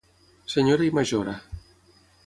Senyora i majora.